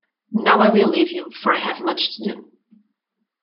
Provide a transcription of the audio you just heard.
Now I will leave you, for I have much to do.